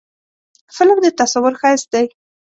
فلم د تصور ښایست دی